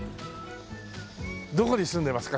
「どこに住んでますか？」